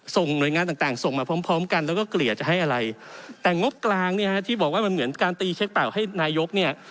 หน่วยงานต่างต่างส่งมาพร้อมพร้อมกันแล้วก็เกลี่ยจะให้อะไรแต่งบกลางเนี่ยฮะที่บอกว่ามันเหมือนการตีเช็คเปล่าให้นายกเนี่ย